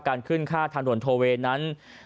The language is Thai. ขึ้นค่าทางด่วนโทเวย์นั้น